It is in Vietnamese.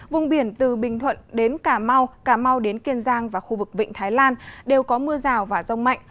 vùng biển từ bình thuận đến cà mau cà mau đến kiên giang và khu vực vịnh thái lan đều có mưa rào và rông mạnh